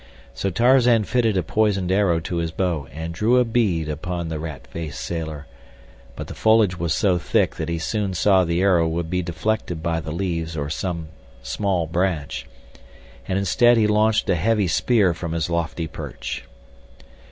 So Tarzan fitted a poisoned arrow to his bow and drew a bead upon the rat faced sailor, but the foliage was so thick that he soon saw the arrow would be deflected by the leaves or some small branch, and instead he launched a heavy spear from his lofty perch.